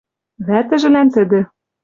Вӓтӹжӹлӓн тӹдӹ